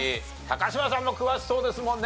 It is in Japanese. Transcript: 嶋さんも詳しそうですもんね。